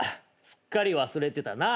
すっかり忘れてたな。